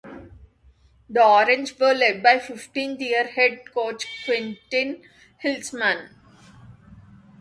The Orange were led by fifteenth year head coach Quentin Hillsman.